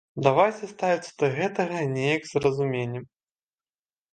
Давайце ставіцца да гэтага неяк з разуменнем.